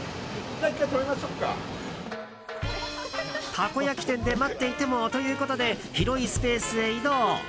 たこ焼き店で待っていてもということで広いスペースへ移動。